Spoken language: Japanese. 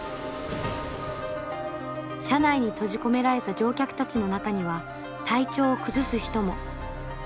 車内に閉じ込められた乗客たちの中には体調を崩す人も。